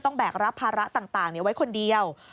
ต้องแบกรับภาระต่างนี้ไว้คนเดียว